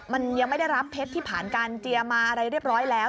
มันยังไม่ได้รับเพชรที่ผ่านการเจียมาอะไรเรียบร้อยแล้ว